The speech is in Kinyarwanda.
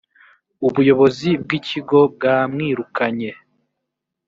ubuyobozi bw ‘ikigo bwamwirukanye.